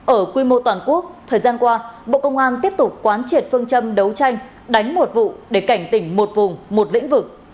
ở quy mô toàn quốc thời gian qua bộ công an tiếp tục quán triệt phương châm đấu tranh đánh một vụ để cảnh tỉnh một vùng một lĩnh vực